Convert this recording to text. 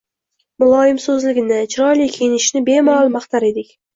Muloyimsoʻzligini, chiroyli kiyinishini bemalol maqtar edik.